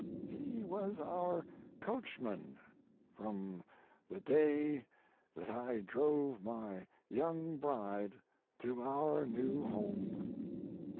He was our coachman from the day that I drove my young bride to our new home.